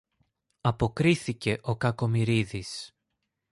αποκρίθηκε ο Κακομοιρίδης.